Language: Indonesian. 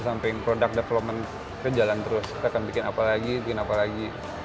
somet product development itu jalan terus kita akan bikin apa lagi bikin apa lagi